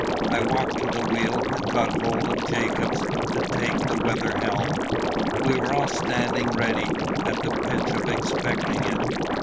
I walked to the wheel, and got hold of Jacobs to take the weather helm. "We were all standing ready, at the pitch of expecting it.